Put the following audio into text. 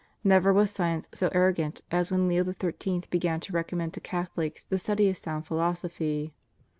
Never was science so arrogant as when Leo XIII. began to recommend to Catholics the study of sound philosophy.